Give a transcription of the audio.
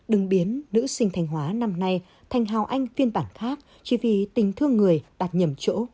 đừng biến nữ sinh thanh hóa năm nay thành hào anh phiên bản khác chỉ vì tình thương người đặt nhầm chỗ